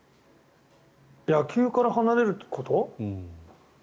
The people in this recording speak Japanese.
野球から離れること？